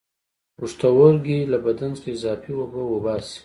پښتورګي له بدن څخه اضافي اوبه وباسي